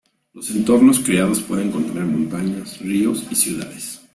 Los entornos creados pueden contener montañas, ríos y ciudades.